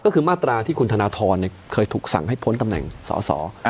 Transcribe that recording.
ก็คือมาตราที่คุณธนทรเคยถูกสั่งให้พ้นตำแหน่งสอสอ